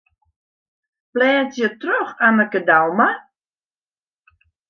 Blêdzje troch Anneke Douma.